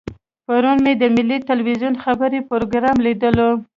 پرون مې د ملي ټلویزیون خبري پروګرام لیدلو.